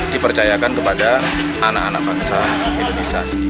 dipercayakan kepada anak anak bangsa indonesia